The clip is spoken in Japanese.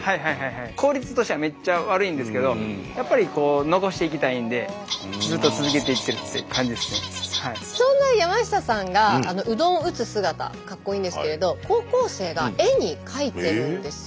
効率としてはめっちゃ悪いんですけどやっぱりそんな山下さんがうどんを打つ姿かっこいいんですけれど高校生が絵に描いてるんですよ。